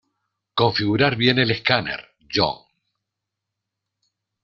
Configurar bien el escáner, John.